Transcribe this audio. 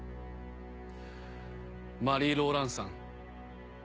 マリー・ローランサン。